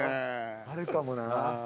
あるかもな。